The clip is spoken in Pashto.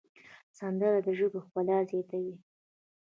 سندره د ژبې ښکلا زیاتوي